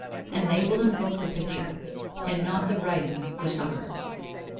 And they will invoke the picture, and not the writing, for succour.